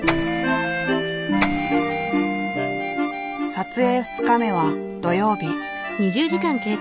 撮影２日目は土曜日。